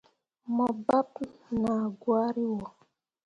Mo baɓɓe naa gwari wo.